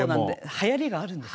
はやりがあるんです。